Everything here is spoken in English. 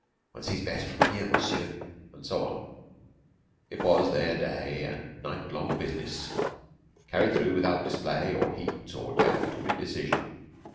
"One sees best from here, monsieur," and so on. It was their day and night long business, carried through without display or heat, or doubt or indecision.